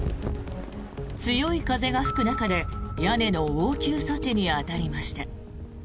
強い風が吹く中で屋根の応急措置に当たりました。